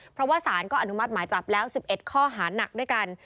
เพราะว่าสารก็อนุมัติหมายจับแล้ว๑๑ข้อหานักด้วยกัน